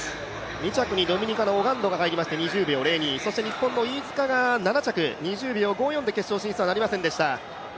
２着にドミニカのオガンドが入りまして、そして日本の飯塚が７着、２０秒５４で決勝進出はなりませんでした。